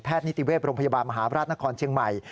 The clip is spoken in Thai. นิติเวศโรงพยาบาลมหาบราชนครเชียงใหม่